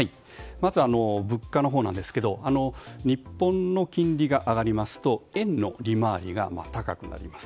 まず物価のほうですが日本の金利が上がりますと円の利回りが高くなります。